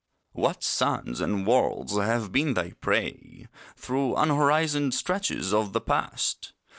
What suns and worlds have been thy prey Through unhorizoned stretches of the Past!